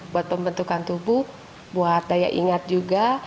buat pembentukan tubuh buat daya ingat juga